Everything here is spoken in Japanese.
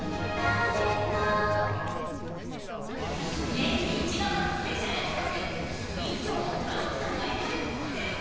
年に一度のスペシャル企画。